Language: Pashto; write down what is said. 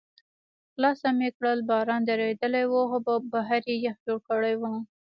خلاصه مې کړل، باران درېدلی و، خو بهر یې یخ جوړ کړی و.